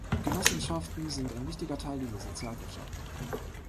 Genossenschaften sind ein wichtiger Teil dieser Sozialwirtschaft.